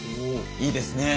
いいですね！